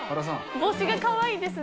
帽子がかわいいですね。